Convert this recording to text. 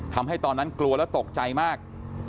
ทำให้ตอนนั้นกลัวแล้วตกใจมาก